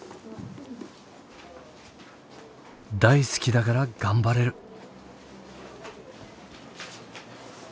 大好きだから頑張れる。